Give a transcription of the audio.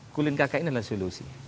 kulin kk ini adalah solusi